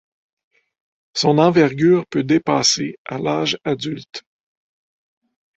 Son envergure peut dépasser à l'âge adulte.